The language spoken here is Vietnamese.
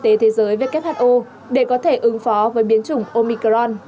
theo tổ chức y tế thế giới who để có thể ứng phó với biến chủng omicron